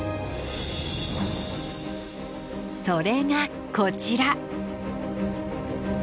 それがこちら。